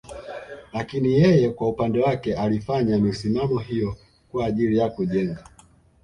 Lakini yeye kwa upande wake alifanya misimamo hiyo kwa ajili ya kujenga